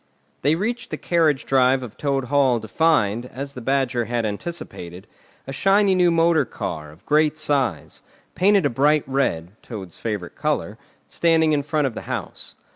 They reached the carriage drive of Toad Hall to find, as the Badger had anticipated, a shiny new motor car, of great size, painted a bright red (Toad's favourite colour), standing in front of the house.